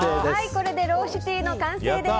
これでローシュティの完成です。